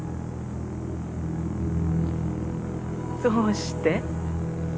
どうして？